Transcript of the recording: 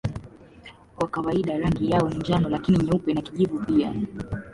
Kwa kawaida rangi yao ni njano lakini nyeupe na kijivu pia.